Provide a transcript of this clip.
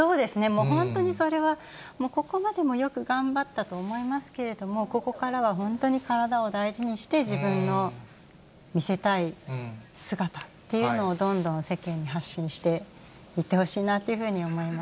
もう本当にそれは、ここまでもよく頑張ったと思いますけれども、ここからは本当に体を大事にして、自分の見せたい姿っていうのをどんどん世間に発信していってほし